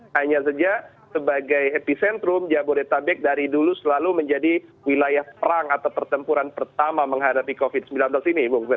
hanya saja sebagai epicentrum jabodetabek dari dulu selalu menjadi wilayah perang atau pertempuran pertama menghadapi covid sembilan belas ini